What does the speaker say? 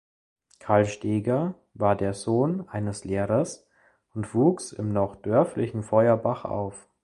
Karl Steger war der Sohn eines Lehrers und wuchs im noch dörflichen Feuerbach auf.